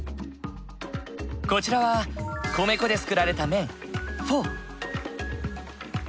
こちらは米粉で作られた麺フォー。